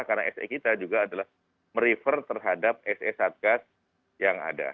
karena sae kita juga adalah merefer terhadap sae satgas yang ada